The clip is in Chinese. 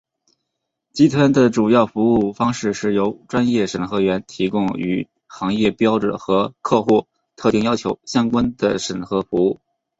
集团的主要服务方式是由专业审核员提供与行业标准或客户特定要求相关的审核服务。